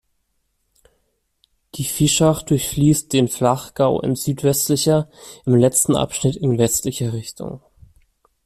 Die Fischach durchfließt den Flachgau in südwestlicher, im letzten Abschnitt in westlicher Richtung.